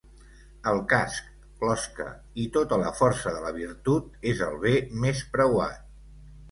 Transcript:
El casc (closca) i tota la força de la virtut és el bé més preuat